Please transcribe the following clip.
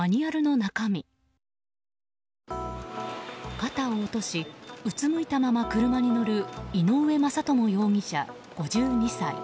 肩を落としうつむいたまま車に乗る井上正智容疑者、５２歳。